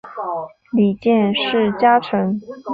里见氏家臣。